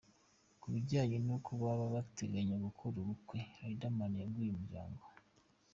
Ku bijyanye n’uko baba bateganya gukora ubukwe, Riderman yabwiye Umuryango.